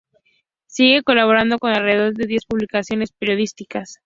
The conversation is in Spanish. Sigue colaborando con alrededor de diez publicaciones periodísticas.